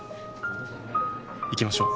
行きましょう。